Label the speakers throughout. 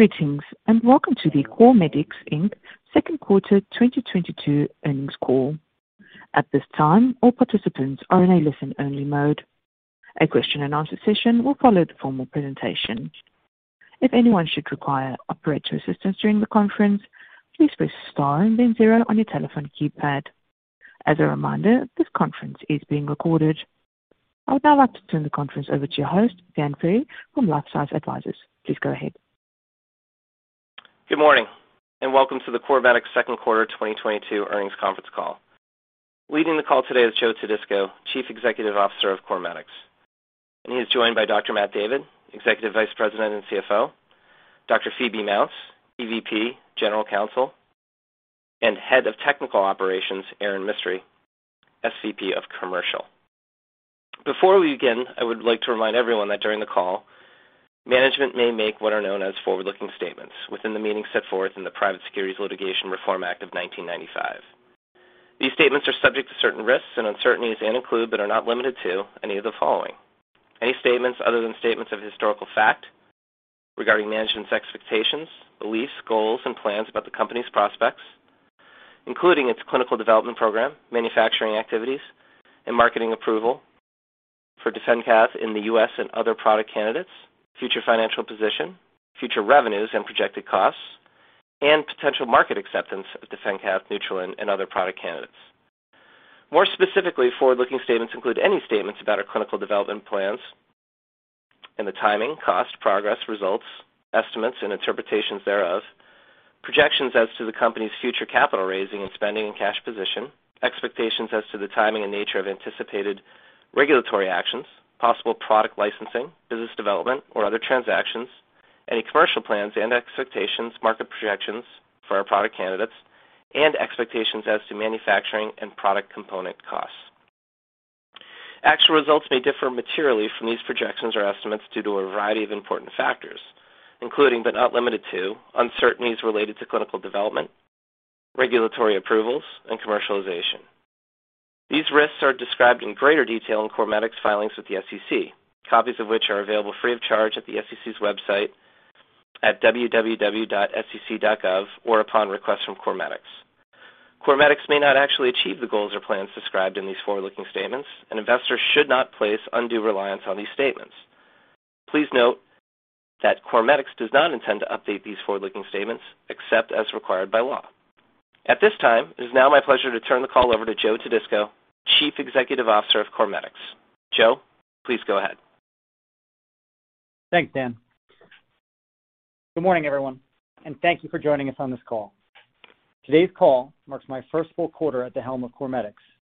Speaker 1: Greetings, and welcome to the CorMedix Inc.'s second quarter 2022 earnings call. At this time, all participants are in a listen-only mode. A question and answer session will follow the formal presentation. If anyone should require operator assistance during the conference, please press star and then zero on your telephone keypad. As a reminder, this conference is being recorded. I would now like to turn the conference over to your host, Dan Ferry, from LifeSci Advisors. Please go ahead.
Speaker 2: Good morning, and welcome to the CorMedix second quarter 2022 earnings conference call. Leading the call today is Joe Todisco, Chief Executive Officer of CorMedix, and he is joined by Dr. Matt David, Executive Vice President and CFO, Dr. Phoebe Mounts, EVP General Counsel, and Head of Technical Operations, Erin Mistry, SVP of Commercial. Before we begin, I would like to remind everyone that during the call, management may make what are known as forward-looking statements within the meaning set forth in the Private Securities Litigation Reform Act of 1995. These statements are subject to certain risks and uncertainties and include, but are not limited to, any of the following. Any statements other than statements of historical fact regarding management's expectations, beliefs, goals, and plans about the company's prospects, including its clinical development program, manufacturing activities, and marketing approval for DefenCath in the U.S. and other product candidates, future financial position, future revenues and projected costs, and potential market acceptance of DefenCath, Neutrolin, and other product candidates. More specifically, forward-looking statements include any statements about our clinical development plans and the timing, cost, progress, results, estimates, and interpretations thereof. Projections as to the company's future capital raising and spending and cash position. Expectations as to the timing and nature of anticipated regulatory actions, possible product licensing, business development, or other transactions. Any commercial plans and expectations, market projections for our product candidates, and expectations as to manufacturing and product component costs. Actual results may differ materially from these projections or estimates due to a variety of important factors, including, but not limited to, uncertainties related to clinical development, regulatory approvals, and commercialization. These risks are described in greater detail in CorMedix filings with the SEC, copies of which are available free of charge at the SEC's website at www.sec.gov or upon request from CorMedix. CorMedix may not actually achieve the goals or plans described in these forward-looking statements, and investors should not place undue reliance on these statements. Please note that CorMedix does not intend to update these forward-looking statements except as required by law. At this time, it is now my pleasure to turn the call over to Joe Todisco, Chief Executive Officer of CorMedix. Joe, please go ahead.
Speaker 3: Thanks, Dan. Good morning, everyone, and thank you for joining us on this call. Today's call marks my first full quarter at the helm of CorMedix,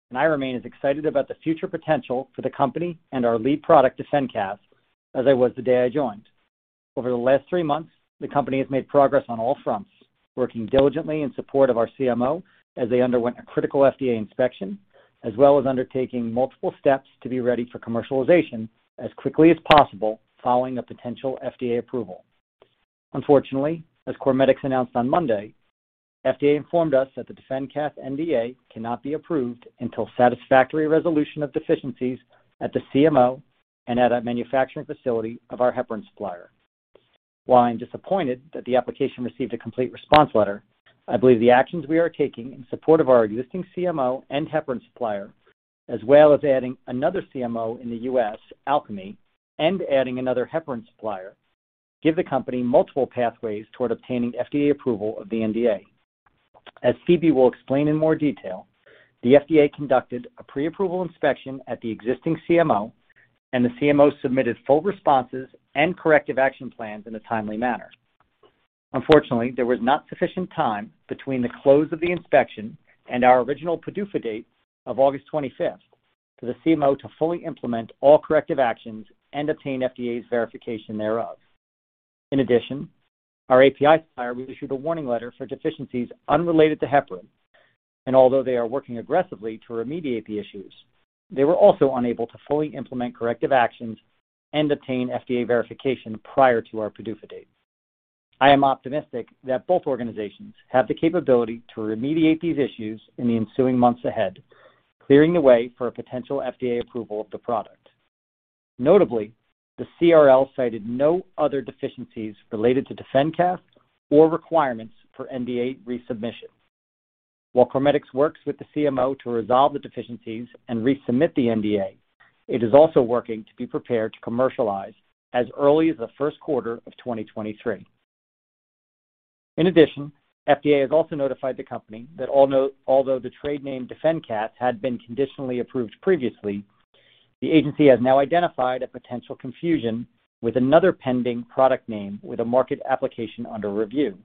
Speaker 3: and I remain as excited about the future potential for the company and our lead product, DefenCath, as I was the day I joined. Over the last three months, the company has made progress on all fronts, working diligently in support of our CMO as they underwent a critical FDA inspection, as well as undertaking multiple steps to be ready for commercialization as quickly as possible following a potential FDA approval. Unfortunately, as CorMedix announced on Monday, FDA informed us that the DefenCath NDA cannot be approved until satisfactory resolution of deficiencies at the CMO and at a manufacturing facility of our heparin supplier. While I'm disappointed that the application received a complete response letter, I believe the actions we are taking in support of our existing CMO and heparin supplier, as well as adding another CMO in the U.S., Alcami, and adding another heparin supplier, give the company multiple pathways toward obtaining FDA approval of the NDA. As Phoebe will explain in more detail, the FDA conducted a pre-approval inspection at the existing CMO, and the CMO submitted full responses and corrective action plans in a timely manner. Unfortunately, there was not sufficient time between the close of the inspection and our original PDUFA date of August 25th for the CMO to fully implement all corrective actions and obtain FDA's verification thereof. In addition, our API supplier was issued a warning letter for deficiencies unrelated to heparin, and although they are working aggressively to remediate the issues, they were also unable to fully implement corrective actions and obtain FDA verification prior to our PDUFA date. I am optimistic that both organizations have the capability to remediate these issues in the ensuing months ahead, clearing the way for a potential FDA approval of the product. Notably, the CRL cited no other deficiencies related to DefenCath or requirements for NDA resubmission. While CorMedix works with the CMO to resolve the deficiencies and resubmit the NDA, it is also working to be prepared to commercialize as early as the first quarter of 2023. In addition, FDA has also notified the company that although the trade name DefenCath had been conditionally approved previously, the agency has now identified a potential confusion with another pending product name with a market application under review.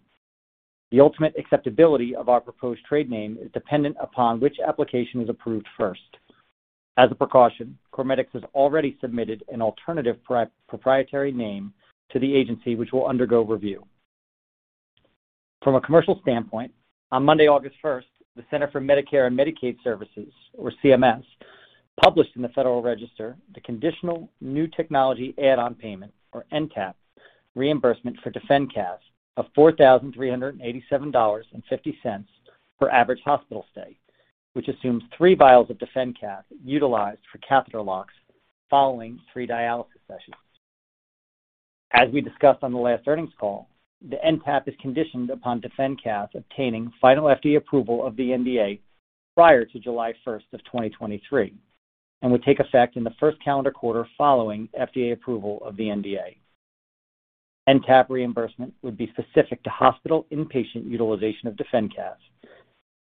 Speaker 3: The ultimate acceptability of our proposed trade name is dependent upon which application is approved first. As a precaution, CorMedix has already submitted an alternative proprietary name to the agency, which will undergo review. From a commercial standpoint, on Monday, August 1st, the Centers for Medicare & Medicaid Services, or CMS, published in the Federal Register the conditional new technology add-on payment, or NTAP, reimbursement for DefenCath of $4,387.50 per average hospital stay, which assumes three vials of DefenCath utilized for catheter locks following three dialysis sessions. As we discussed on the last earnings call, the NTAP is conditioned upon DefenCath obtaining final FDA approval of the NDA prior to July 1, 2023, and would take effect in the first calendar quarter following FDA approval of the NDA. NTAP reimbursement would be specific to hospital inpatient utilization of DefenCath,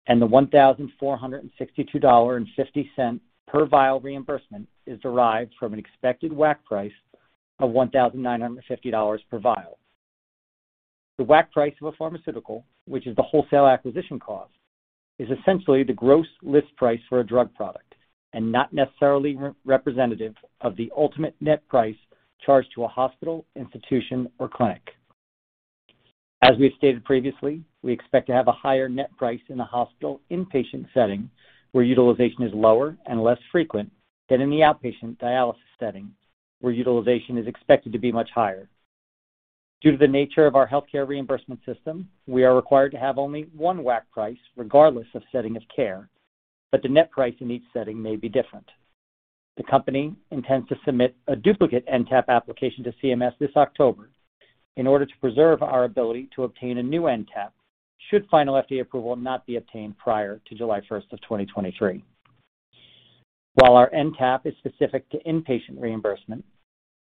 Speaker 3: and the $1,462.50 per vial reimbursement is derived from an expected WAC price of $1,950 per vial. The WAC price of a pharmaceutical, which is the wholesale acquisition cost, is essentially the gross list price for a drug product and not necessarily representative of the ultimate net price charged to a hospital, institution, or clinic. As we have stated previously, we expect to have a higher net price in the hospital inpatient setting, where utilization is lower and less frequent than in the outpatient dialysis setting, where utilization is expected to be much higher. Due to the nature of our healthcare reimbursement system, we are required to have only one WAC price regardless of setting of care, but the net price in each setting may be different. The company intends to submit a duplicate NTAP application to CMS this October in order to preserve our ability to obtain a new NTAP should final FDA approval not be obtained prior to July 1, 2023. While our NTAP is specific to inpatient reimbursement,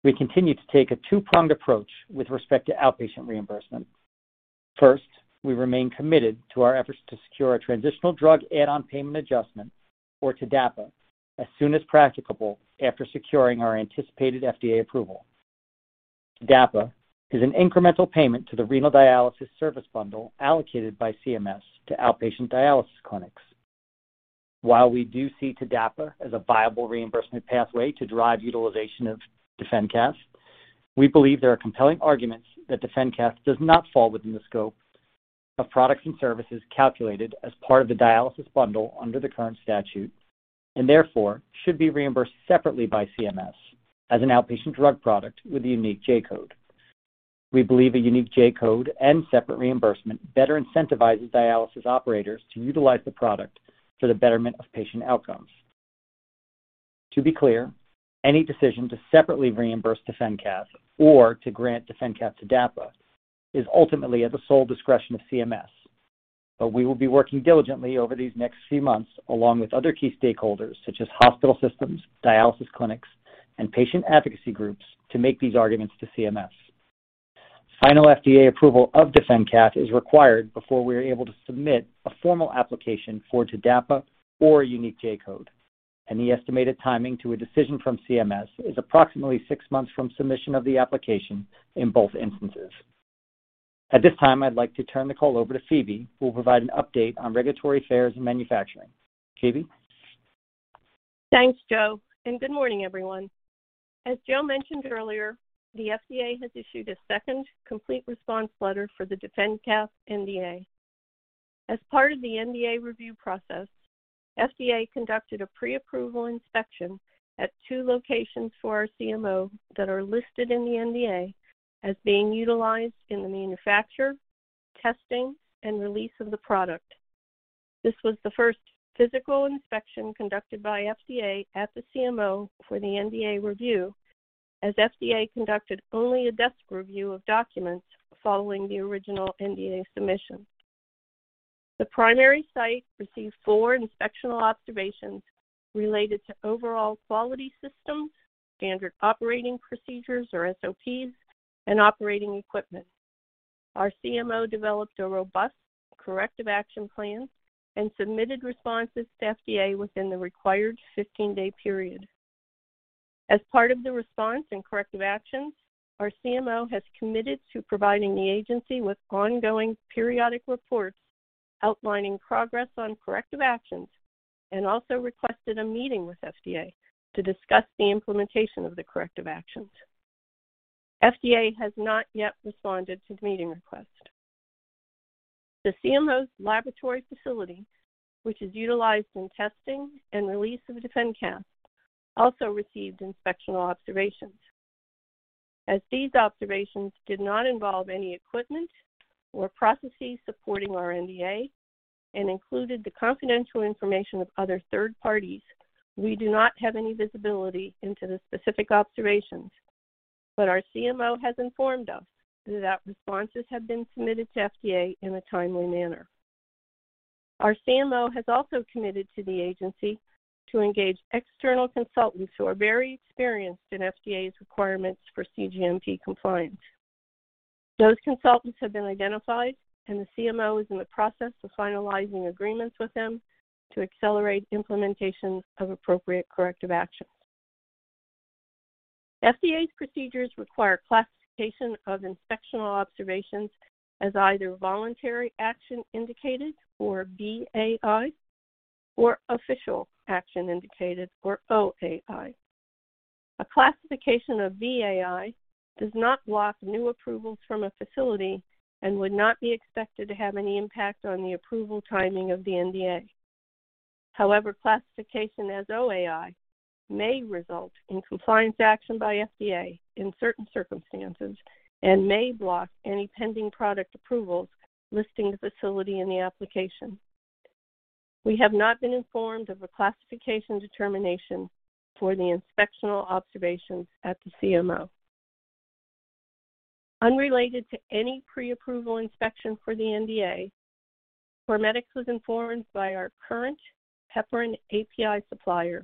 Speaker 3: we continue to take a two-pronged approach with respect to outpatient reimbursement. First, we remain committed to our efforts to secure a transitional drug add-on payment adjustment, or TDAPA, as soon as practicable after securing our anticipated FDA approval. TDAPA is an incremental payment to the renal dialysis service bundle allocated by CMS to outpatient dialysis clinics. While we do see TDAPA as a viable reimbursement pathway to drive utilization of DefenCath, we believe there are compelling arguments that DefenCath does not fall within the scope of products and services calculated as part of the dialysis bundle under the current statute, and therefore should be reimbursed separately by CMS as an outpatient drug product with a unique J-Code. We believe a unique J-Code and separate reimbursement better incentivizes dialysis operators to utilize the product for the betterment of patient outcomes. To be clear, any decision to separately reimburse DefenCath or to grant DefenCath TDAPA is ultimately at the sole discretion of CMS. We will be working diligently over these next few months along with other key stakeholders such as hospital systems, dialysis clinics, and patient advocacy groups to make these arguments to CMS. Final FDA approval of DefenCath is required before we are able to submit a formal application for TDAPA or a unique J-Code, and the estimated timing to a decision from CMS is approximately six months from submission of the application in both instances. At this time, I'd like to turn the call over to Phoebe, who will provide an update on regulatory affairs and manufacturing. Phoebe?
Speaker 4: Thanks, Joe, and good morning, everyone. As Joe mentioned earlier, the FDA has issued a second complete response letter for the DefenCath NDA. As part of the NDA review process, FDA conducted a pre-approval inspection at two locations for our CMO that are listed in the NDA as being utilized in the manufacture, testing, and release of the product. This was the first physical inspection conducted by FDA at the CMO for the NDA review, as FDA conducted only a desk review of documents following the original NDA submission. The primary site received four inspectional observations related to overall quality systems, standard operating procedures or SOPs, and operating equipment. Our CMO developed a robust corrective action plan and submitted responses to FDA within the required 15-day period. As part of the response and corrective actions, our CMO has committed to providing the agency with ongoing periodic reports outlining progress on corrective actions and also requested a meeting with FDA to discuss the implementation of the corrective actions. FDA has not yet responded to the meeting request. The CMO's laboratory facility, which is utilized in testing and release of DefenCath, also received inspectional observations. As these observations did not involve any equipment or processes supporting our NDA and included the confidential information of other third parties, we do not have any visibility into the specific observations, but our CMO has informed us that responses have been submitted to FDA in a timely manner. Our CMO has also committed to the agency to engage external consultants who are very experienced in FDA's requirements for cGMP compliance. Those consultants have been identified, and the CMO is in the process of finalizing agreements with them to accelerate implementation of appropriate corrective actions. FDA's procedures require classification of inspectional observations as either voluntary action indicated, or VAI, or official action indicated, or OAI. A classification of VAI does not block new approvals from a facility and would not be expected to have any impact on the approval timing of the NDA. However, classification as OAI may result in compliance action by FDA in certain circumstances and may block any pending product approvals listing the facility in the application. We have not been informed of a classification determination for the inspectional observations at the CMO. Unrelated to any pre-approval inspection for the NDA, CorMedix was informed by our current heparin API supplier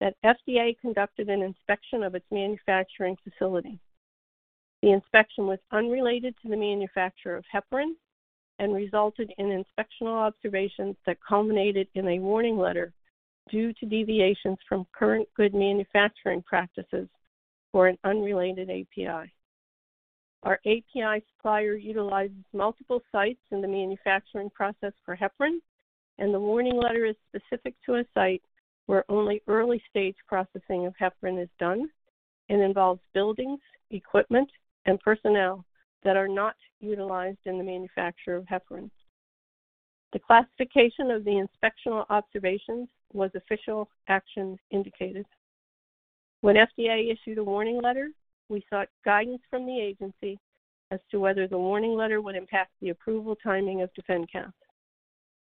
Speaker 4: that FDA conducted an inspection of its manufacturing facility. The inspection was unrelated to the manufacture of heparin and resulted in inspectional observations that culminated in a warning letter due to deviations from current good manufacturing practices for an unrelated API. Our API supplier utilizes multiple sites in the manufacturing process for heparin, and the warning letter is specific to a site where only early-stage processing of heparin is done and involves buildings, equipment, and personnel that are not utilized in the manufacture of heparin. The classification of the inspectional observations was official action indicated. When FDA issued a warning letter, we sought guidance from the agency as to whether the warning letter would impact the approval timing of DefenCath.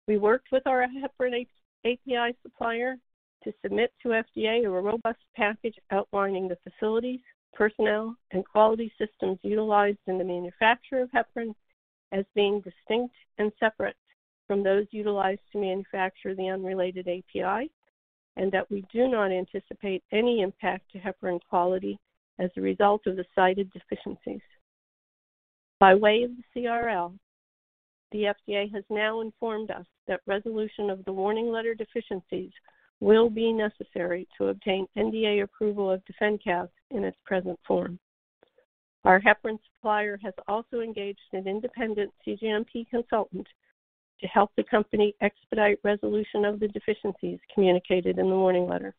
Speaker 4: We worked with our heparin API supplier to submit to FDA a robust package outlining the facilities, personnel, and quality systems utilized in the manufacture of heparin as being distinct and separate from those utilized to manufacture the unrelated API, and that we do not anticipate any impact to heparin quality as a result of the cited deficiencies. By way of the CRL, the FDA has now informed us that resolution of the warning letter deficiencies will be necessary to obtain NDA approval of DefenCath in its present form. Our heparin supplier has also engaged an independent cGMP consultant to help the company expedite resolution of the deficiencies communicated in the warning letter.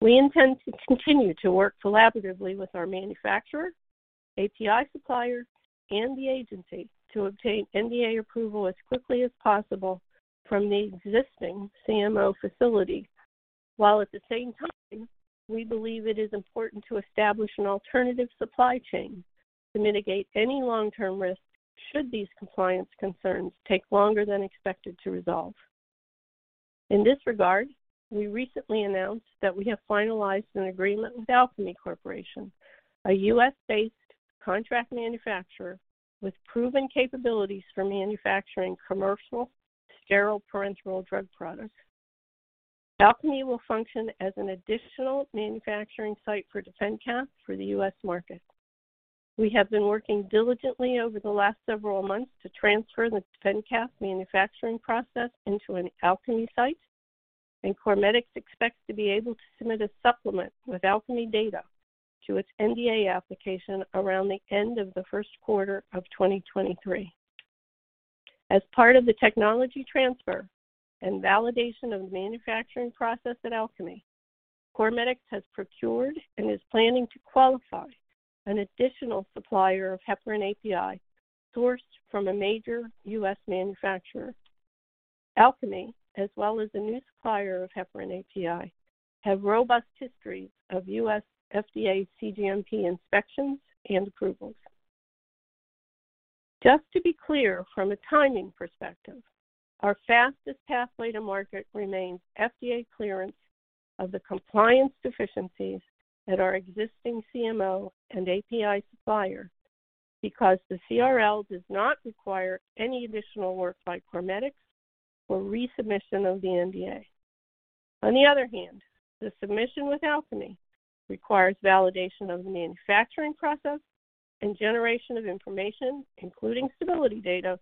Speaker 4: We intend to continue to work collaboratively with our manufacturer, API supplier, and the agency to obtain NDA approval as quickly as possible from the existing CMO facility, while at the same time, we believe it is important to establish an alternative supply chain to mitigate any long-term risk should these compliance concerns take longer than expected to resolve. In this regard, we recently announced that we have finalized an agreement with Alcami Corporation, a U.S.-based contract manufacturer with proven capabilities for manufacturing commercial sterile parenteral drug products. Alcami will function as an additional manufacturing site for DefenCath for the U.S. market. We have been working diligently over the last several months to transfer the DefenCath manufacturing process into an Alcami site, and CorMedix expects to be able to submit a supplement with Alcami data to its NDA application around the end of the first quarter of 2023. As part of the technology transfer and validation of the manufacturing process at Alcami, CorMedix has procured and is planning to qualify an additional supplier of heparin API sourced from a major U.S. manufacturer. Alcami, as well as the new supplier of heparin API, have robust histories of U.S. FDA cGMP inspections and approvals. Just to be clear from a timing perspective, our fastest pathway to market remains FDA clearance of the compliance deficiencies at our existing CMO and API supplier because the CRL does not require any additional work by CorMedix or resubmission of the NDA. On the other hand, the submission with Alcami requires validation of the manufacturing process and generation of information, including stability data,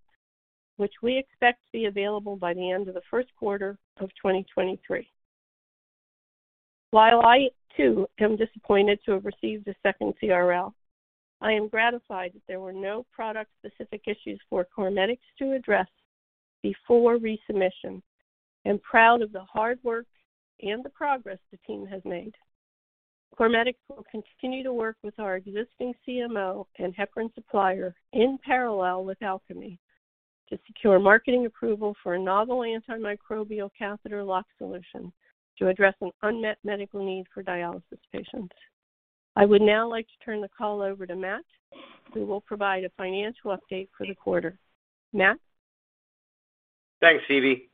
Speaker 4: which we expect to be available by the end of the first quarter of 2023. While I too am disappointed to have received a second CRL, I am gratified that there were no product-specific issues for CorMedix to address before resubmission and proud of the hard work and the progress the team has made. CorMedix will continue to work with our existing CMO and heparin supplier in parallel with Alcami to secure marketing approval for a novel antimicrobial catheter lock solution to address an unmet medical need for dialysis patients. I would now like to turn the call over to Matt, who will provide a financial update for the quarter. Matt?
Speaker 5: Thanks, Phoebe.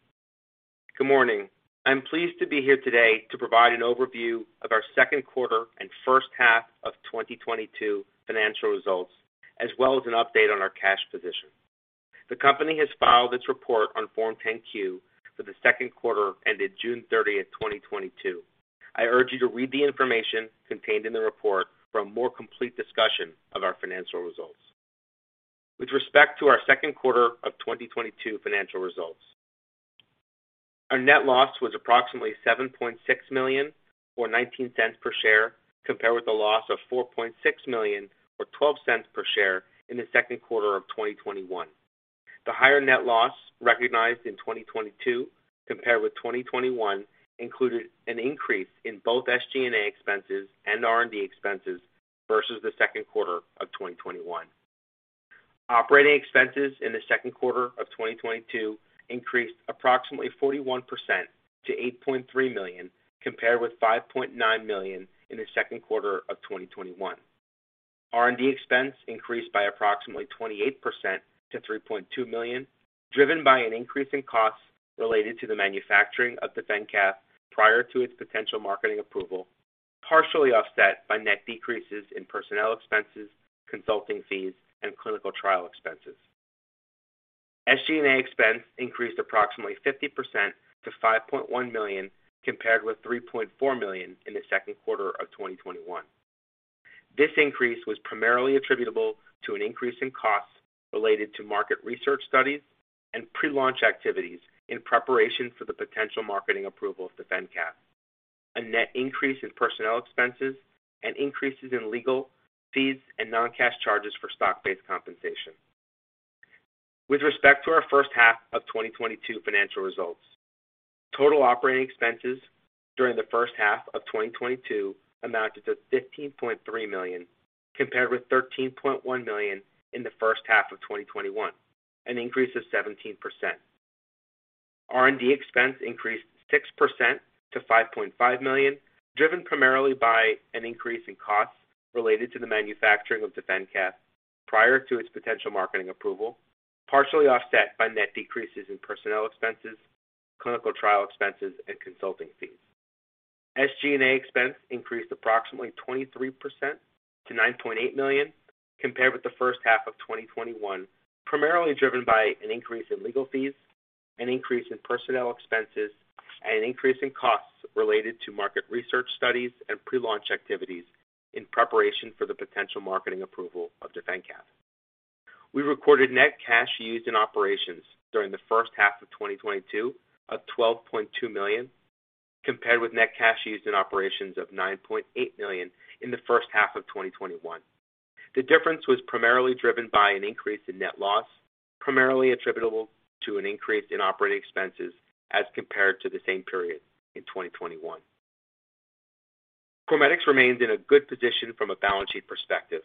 Speaker 5: Good morning. I'm pleased to be here today to provide an overview of our second quarter and first half of 2022 financial results, as well as an update on our cash position. The company has filed its report on Form 10-Q for the second quarter ended June 30, 2022. I urge you to read the information contained in the report for a more complete discussion of our financial results. With respect to our second quarter of 2022 financial results, our net loss was approximately $7.6 million or $0.19 per share, compared with a loss of $4.6 million or $0.12 per share in the second quarter of 2021. The higher net loss recognized in 2022 compared with 2021 included an increase in both SG&A expenses and R&D expenses versus the second quarter of 2021. Operating expenses in the second quarter of 2022 increased approximately 41% to $8.3 million, compared with $5.9 million in the second quarter of 2021. R&D expense increased by approximately 28% to $3.2 million, driven by an increase in costs related to the manufacturing of DefenCath prior to its potential marketing approval, partially offset by net decreases in personnel expenses, consulting fees, and clinical trial expenses. SG&A expense increased approximately 50% to $5.1 million, compared with $3.4 million in the second quarter of 2021. This increase was primarily attributable to an increase in costs related to market research studies and pre-launch activities in preparation for the potential marketing approval of DefenCath. A net increase in personnel expenses and increases in legal fees and non-cash charges for stock-based compensation. With respect to our first half of 2022 financial results, total operating expenses during the first half of 2022 amounted to $15.3 million, compared with $13.1 million in the first half of 2021, an increase of 17%. R&D expense increased 6% to $5.5 million, driven primarily by an increase in costs related to the manufacturing of DefenCath prior to its potential marketing approval, partially offset by net decreases in personnel expenses, clinical trial expenses, and consulting fees. SG&A expense increased approximately 23% to $9.8 million compared with the first half of 2021, primarily driven by an increase in legal fees, an increase in personnel expenses, and an increase in costs related to market research studies and pre-launch activities in preparation for the potential marketing approval of DefenCath. We recorded net cash used in operations during the first half of 2022 of $12.2 million, compared with net cash used in operations of $9.8 million in the first half of 2021. The difference was primarily driven by an increase in net loss, primarily attributable to an increase in operating expenses as compared to the same period in 2021. CorMedix remains in a good position from a balance sheet perspective.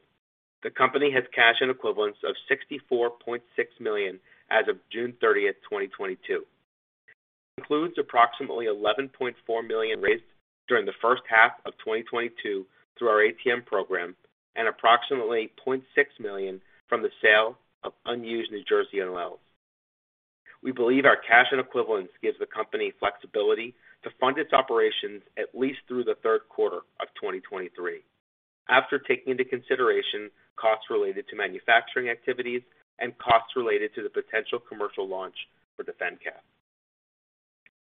Speaker 5: The company has cash and equivalents of $64.6 million as of June 30th, 2022. Includes approximately $11.4 million raised during the first half of 2022 through our ATM program and approximately $0.6 million from the sale of unused New Jersey NOLs. We believe our cash and equivalents gives the company flexibility to fund its operations at least through the third quarter of 2023, after taking into consideration costs related to manufacturing activities and costs related to the potential commercial launch for DefenCath.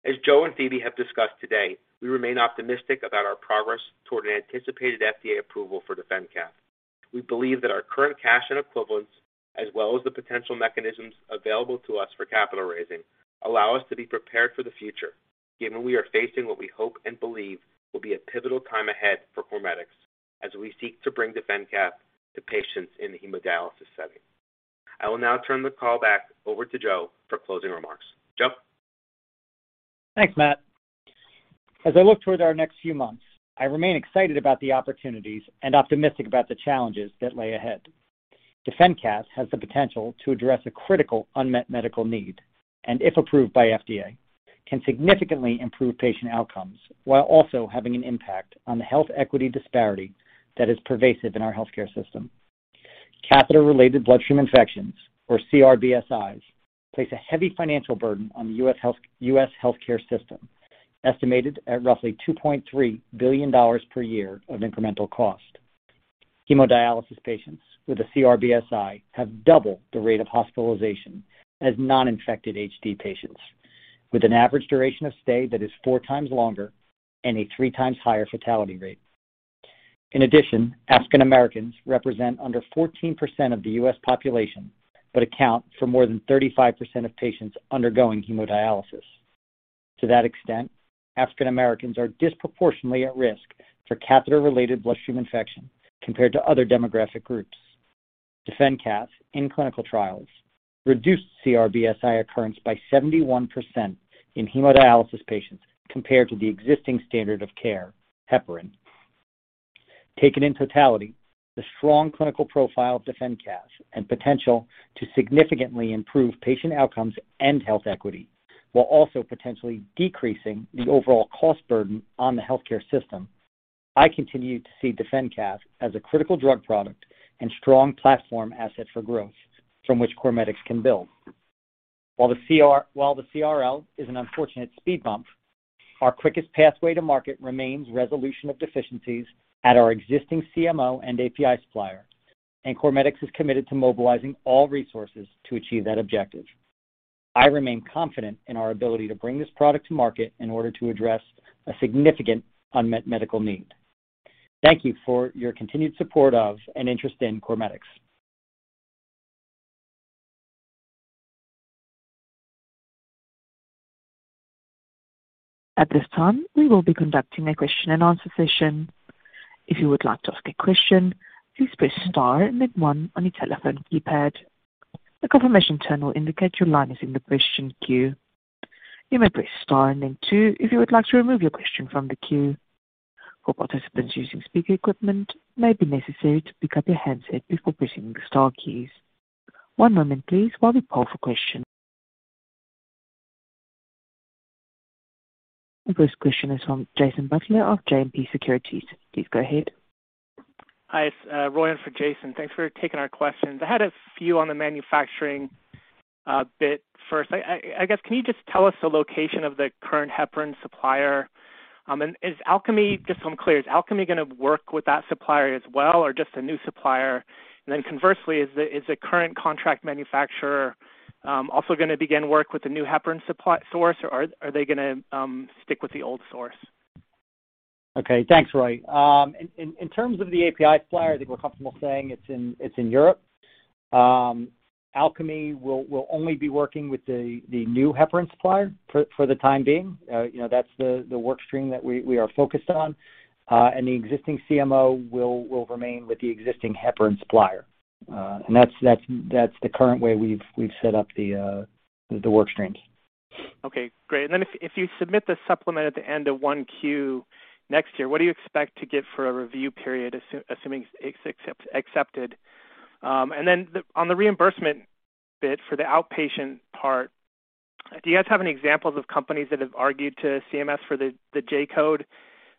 Speaker 5: As Joe and Phoebe have discussed today, we remain optimistic about our progress toward an anticipated FDA approval for DefenCath. We believe that our current cash and equivalents, as well as the potential mechanisms available to us for capital raising, allow us to be prepared for the future, given we are facing what we hope and believe will be a pivotal time ahead for CorMedix as we seek to bring DefenCath to patients in the hemodialysis setting. I will now turn the call back over to Joe for closing remarks. Joe?
Speaker 3: Thanks, Matt. As I look toward our next few months, I remain excited about the opportunities and optimistic about the challenges that lay ahead. DefenCath has the potential to address a critical unmet medical need, and if approved by FDA, can significantly improve patient outcomes while also having an impact on the health equity disparity that is pervasive in our healthcare system. Catheter-related bloodstream infections, or CRBSIs, place a heavy financial burden on the U.S. healthcare system, estimated at roughly $2.3 billion per year of incremental cost. Hemodialysis patients with a CRBSI have double the rate of hospitalization as non-infected HD patients, with an average duration of stay that is four times longer and a three times higher fatality rate. In addition, African Americans represent under 14% of the U.S. population, but account for more than 35% of patients undergoing hemodialysis. To that extent, African Americans are disproportionately at risk for catheter-related bloodstream infection compared to other demographic groups. DefenCath in clinical trials reduced CRBSI occurrence by 71% in hemodialysis patients compared to the existing standard of care, heparin. Taken in totality, the strong clinical profile of DefenCath and potential to significantly improve patient outcomes and health equity, while also potentially decreasing the overall cost burden on the healthcare system. I continue to see DefenCath as a critical drug product and strong platform asset for growth from which CorMedix can build. While the CRL is an unfortunate speed bump, our quickest pathway to market remains resolution of deficiencies at our existing CMO and API supplier. CorMedix is committed to mobilizing all resources to achieve that objective. I remain confident in our ability to bring this product to market in order to address a significant unmet medical need. Thank you for your continued support of and interest in CorMedix.
Speaker 1: At this time, we will be conducting a question and answer session. If you would like to ask a question, please press star then one on your telephone keypad. A confirmation tone will indicate your line is in the question queue. You may press star and then two if you would like to remove your question from the queue. For participants using speaker equipment, it may be necessary to pick up your handset before pressing the star keys. One moment please while we poll for questions. The first question is from Jason Butler of JMP Securities. Please go ahead.
Speaker 6: Hi, it's Roy in for Jason. Thanks for taking our questions. I had a few on the manufacturing bit first. I guess, can you just tell us the location of the current heparin supplier? Is Alcami, just so I'm clear, is Alcami gonna work with that supplier as well or just a new supplier? Conversely, is the current contract manufacturer also gonna begin work with the new heparin supply source, or are they gonna stick with the old source?
Speaker 3: Okay. Thanks, Roy. In terms of the API supplier, I think we're comfortable saying it's in Europe. Alcami will only be working with the new heparin supplier for the time being. You know, that's the work stream that we are focused on. The existing CMO will remain with the existing heparin supplier. That's the current way we've set up the work streams.
Speaker 6: Okay, great. If you submit the supplement at the end of 1Q next year, what do you expect to get for a review period, assuming it's accepted? On the reimbursement bit for the outpatient part, do you guys have any examples of companies that have argued to CMS for the J-Code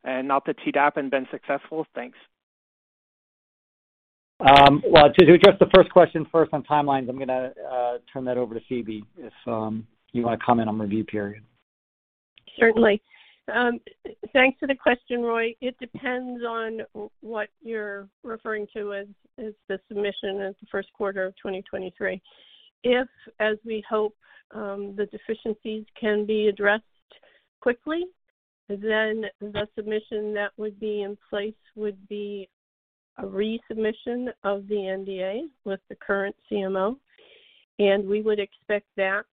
Speaker 6: and not the TDAPA and been successful? Thanks.
Speaker 3: Well, to address the first question first on timelines, I'm gonna turn that over to Phoebe if you wanna comment on review period.
Speaker 4: Certainly. Thanks for the question, Roy. It depends on what you're referring to as the submission in the first quarter of 2023. If, as we hope, the deficiencies can be addressed quickly, then the submission that would be in place would be a resubmission of the NDA with the current CMO, and we would expect that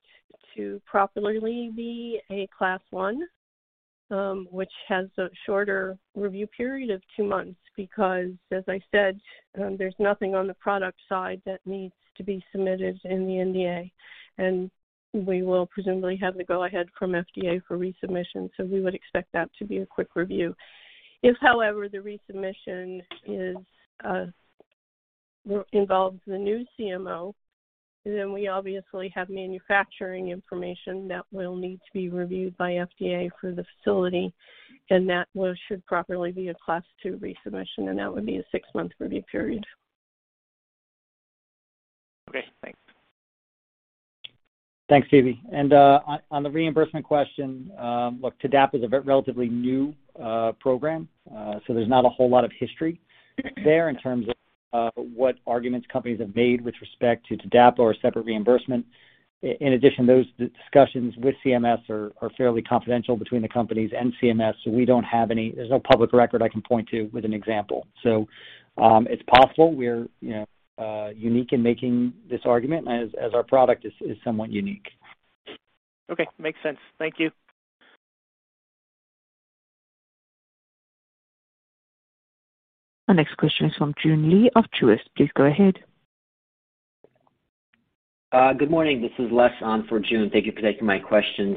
Speaker 4: to properly be a class one, which has a shorter review period of two months because, as I said, there's nothing on the product side that needs to be submitted in the NDA. We will presumably have the go-ahead from FDA for resubmission, so we would expect that to be a quick review. If, however, the resubmission is involves the new CMO, then we obviously have manufacturing information that will need to be reviewed by FDA for the facility, and that will should properly be a Class 2 resubmission, and that would be a six-month review period.
Speaker 6: Okay, thanks.
Speaker 3: Thanks, Phoebe. On the reimbursement question, look, TDAPA is a relatively new program, so there's not a whole lot of history there in terms of what arguments companies have made with respect to TDAPA or a separate reimbursement. In addition, those discussions with CMS are fairly confidential between the companies and CMS, so we don't have any. There's no public record I can point to with an example. It's possible we're, you know, unique in making this argument as our product is somewhat unique.
Speaker 6: Okay. Makes sense. Thank you.
Speaker 1: Our next question is from Joon Lee of Truist. Please go ahead.
Speaker 7: Good morning. This is Les on for Joon. Thank you for taking my questions.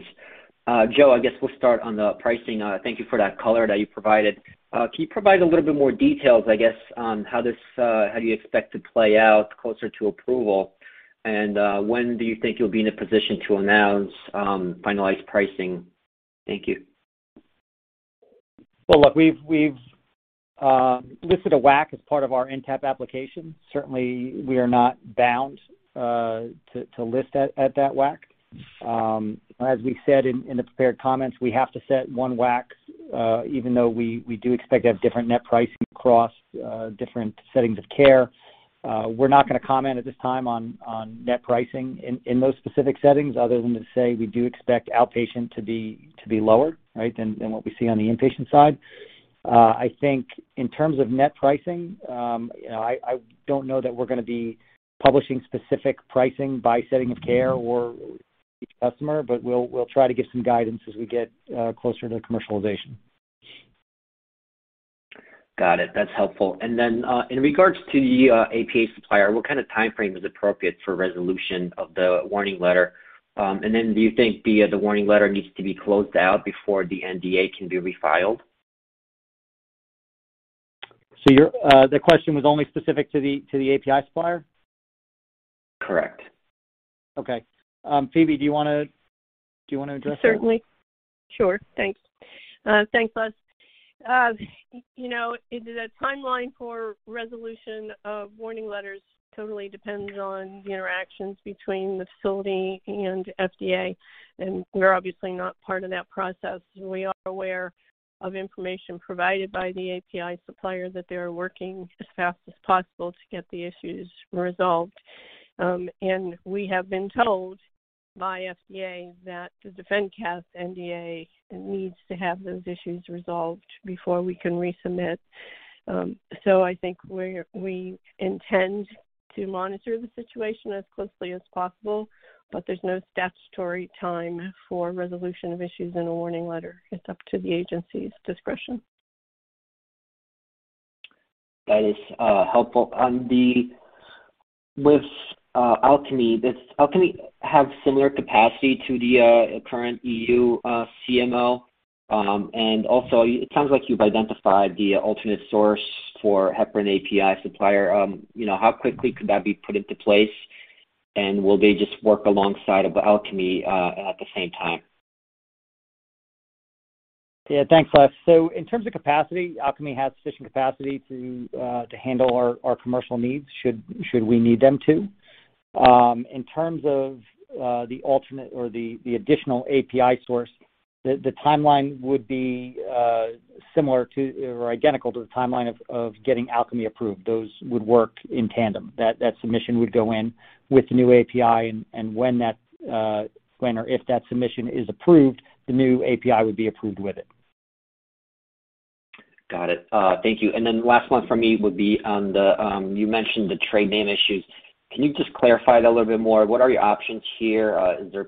Speaker 7: Joe, I guess we'll start on the pricing. Thank you for that color that you provided. Can you provide a little bit more details, I guess, on how you expect to play out closer to approval? When do you think you'll be in a position to announce finalized pricing? Thank you.
Speaker 3: Well, look, we've listed a WAC as part of our NTAP application. Certainly, we are not bound to list at that WAC. As we said in the prepared comments, we have to set one WAC, even though we do expect to have different net pricing across different settings of care. I think in terms of net pricing, you know, I don't know that we're gonna be publishing specific pricing by setting of care or each customer, but we'll try to give some guidance as we get closer to commercialization.
Speaker 7: Got it. That's helpful. In regards to the API supplier, what kind of timeframe is appropriate for resolution of the warning letter? Do you think the warning letter needs to be closed out before the NDA can be refiled?
Speaker 3: The question was only specific to the API supplier?
Speaker 7: Correct.
Speaker 3: Okay. Phoebe, do you wanna address that?
Speaker 4: Certainly. Sure. Thanks. Thanks, Les. You know, it is a timeline for resolution of warning letters totally depends on the interactions between the facility and FDA, and we're obviously not part of that process. We are aware of information provided by the API supplier that they're working as fast as possible to get the issues resolved. And we have been told by FDA that the DefenCath NDA needs to have those issues resolved before we can resubmit. So I think we intend to monitor the situation as closely as possible, but there's no statutory time for resolution of issues in a warning letter. It's up to the agency's discretion.
Speaker 7: That is helpful. With Alcami, does Alcami have similar capacity to the current EU CMO? Also it sounds like you've identified the alternate source for heparin API supplier. You know, how quickly could that be put into place? Will they just work alongside of Alcami at the same time?
Speaker 3: Yeah. Thanks, Les. In terms of capacity, Alcami has sufficient capacity to handle our commercial needs should we need them to. In terms of the alternate or the additional API source, the timeline would be similar to or identical to the timeline of getting Alcami approved. Those would work in tandem. That submission would go in with the new API and when or if that submission is approved, the new API would be approved with it.
Speaker 7: Got it. Thank you. Last one from me would be on the, you mentioned the trade name issues. Can you just clarify that a little bit more? What are your options here? Is there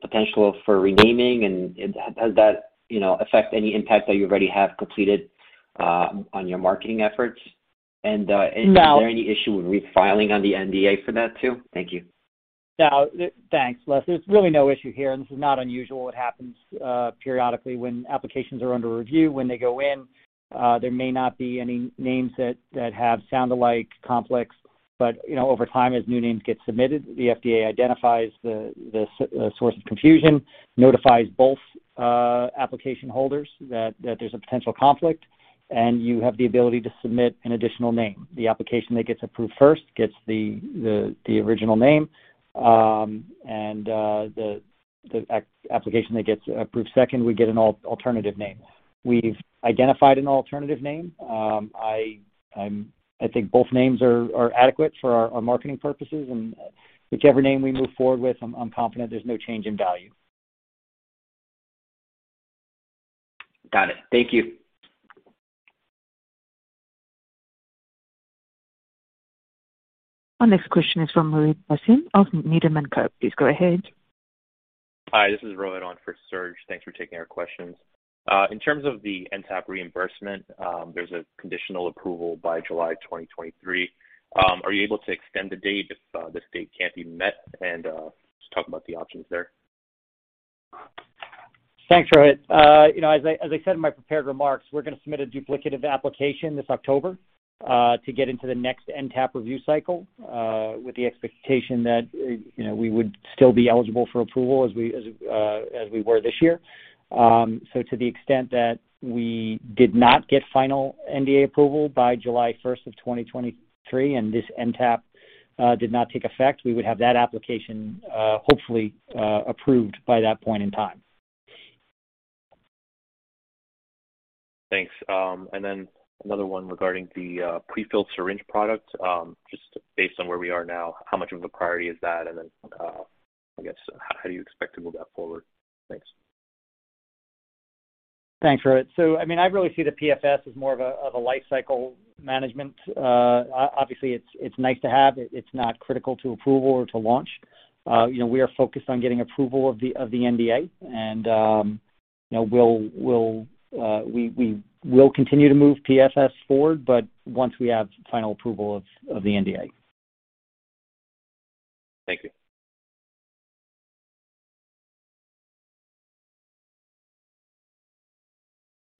Speaker 7: potential for renaming and does that, you know, affect any impact that you already have completed on your marketing efforts? Is there any issue with refiling on the NDA for that too? Thank you.
Speaker 3: No. Thanks, Les. There's really no issue here, and this is not unusual. It happens periodically when applications are under review. When they go in, there may not be any names that have sound-alike conflicts. You know, over time, as new names get submitted, the FDA identifies the source of confusion, notifies both application holders that there's a potential conflict, and you have the ability to submit an additional name. The application that gets approved first gets the original name, and the application that gets approved second would get an alternative name. We've identified an alternative name. I think both names are adequate for our marketing purposes and whichever name we move forward with I'm confident there's no change in value.
Speaker 7: Got it. Thank you.
Speaker 1: Our next question is from Rohit Bhasin of Needham & Company. Please go ahead.
Speaker 8: Hi, this is Rohit on for Serge. Thanks for taking our questions. In terms of the NTAP reimbursement, there's a conditional approval by July 2023. Are you able to extend the date if this date can't be met and just talk about the options there?
Speaker 3: Thanks, Rohit. You know, as I said in my prepared remarks, we're gonna submit a duplicative application this October to get into the next NTAP review cycle with the expectation that, you know, we would still be eligible for approval as we were this year. To the extent that we did not get final NDA approval by July 1st of 2023 and this NTAP did not take effect, we would have that application hopefully approved by that point in time.
Speaker 8: Thanks. Another one regarding the pre-filled syringe product. Just based on where we are now, how much of a priority is that? I guess how do you expect to move that forward? Thanks.
Speaker 3: Thanks, Rohit. I mean, I really see the PFS as more of a life cycle management. Obviously, it's nice to have. It's not critical to approval or to launch. You know, we are focused on getting approval of the NDA and, you know, we will continue to move PFS forward, but once we have final approval of the NDA.
Speaker 8: Thank you.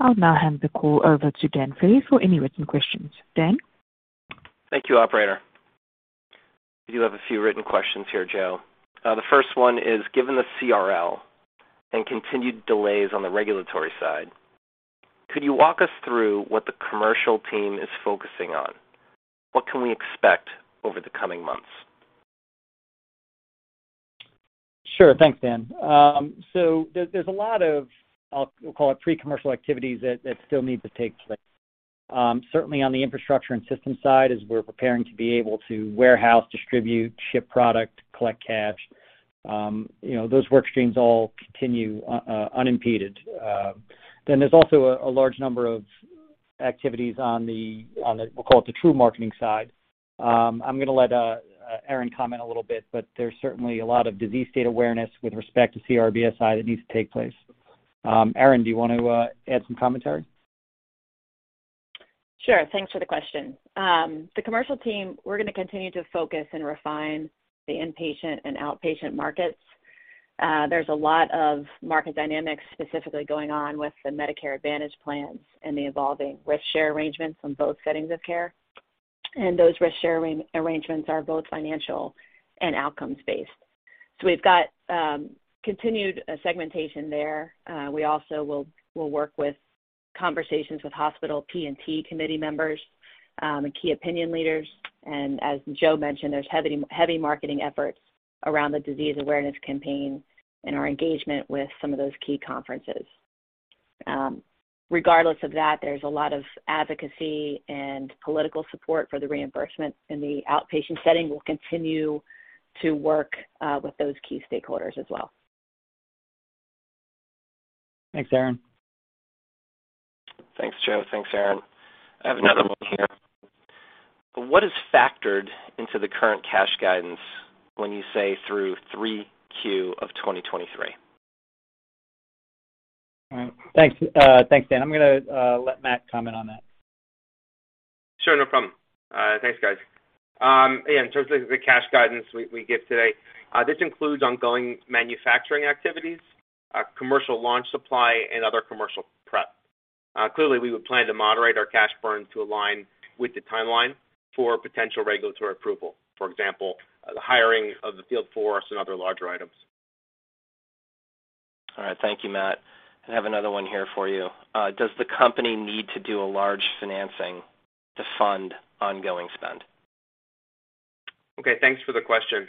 Speaker 1: I'll now hand the call over to Dan Ferry for any written questions. Dan?
Speaker 2: Thank you, operator. We do have a few written questions here, Joe. The first one is given the CRL and continued delays on the regulatory side, could you walk us through what the commercial team is focusing on? What can we expect over the coming months?
Speaker 3: Sure. Thanks, Dan. There's a lot of, I'll call it pre-commercial activities that still need to take place. Certainly on the infrastructure and system side as we're preparing to be able to warehouse, distribute, ship product, collect cash, you know, those work streams all continue unimpeded. There's also a large number of activities on the we'll call it the true marketing side. I'm gonna let Erin comment a little bit, but there's certainly a lot of disease state awareness with respect to CRBSI that needs to take place. Erin, do you want to add some commentary?
Speaker 9: Sure. Thanks for the question. The commercial team, we're gonna continue to focus and refine the inpatient and outpatient markets. There's a lot of market dynamics specifically going on with the Medicare Advantage plans and the evolving risk-share arrangements from both settings of care. Those risk-share arrangements are both financial and outcomes-based. We've got continued segmentation there. We also will work with conversations with hospital P&T committee members and key opinion leaders. As Joe mentioned, there's heavy marketing efforts around the disease awareness campaign and our engagement with some of those key conferences. Regardless of that, there's a lot of advocacy and political support for the reimbursement in the outpatient setting. We'll continue to work with those key stakeholders as well.
Speaker 3: Thanks, Erin.
Speaker 2: Thanks, Joe. Thanks, Erin. I have another one here. What is factored into the current cash guidance when you say through 3Q of 2023?
Speaker 3: All right. Thanks, Dan. I'm gonna let Matt comment on that.
Speaker 5: Sure. No problem. Thanks, guys. Yeah, in terms of the cash guidance we give today, this includes ongoing manufacturing activities, a commercial launch supply, and other commercial prep. Clearly, we would plan to moderate our cash burn to align with the timeline for potential regulatory approval. For example, the hiring of the field force and other larger items.
Speaker 2: All right. Thank you, Matt. I have another one here for you. Does the company need to do a large financing to fund ongoing spend?
Speaker 5: Okay. Thanks for the question.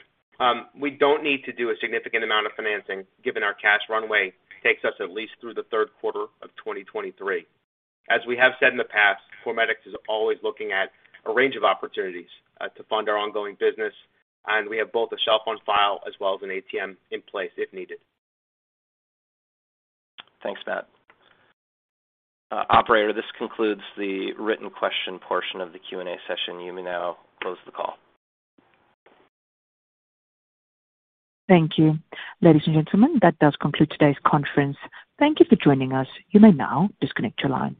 Speaker 5: We don't need to do a significant amount of financing given our cash runway takes us at least through the third quarter of 2023. As we have said in the past, CorMedix is always looking at a range of opportunities to fund our ongoing business, and we have both a shelf on file as well as an ATM in place if needed.
Speaker 2: Thanks, Matt. Operator, this concludes the written question portion of the Q&A session. You may now close the call.
Speaker 1: Thank you. Ladies and gentlemen, that does conclude today's conference. Thank you for joining us. You may now disconnect your lines.